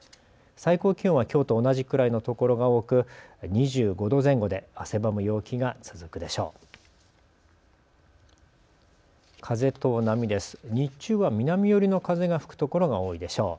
最高気温はきょうと同じくらいの所が多く２５度前後で汗ばむ陽気が続くでしょう。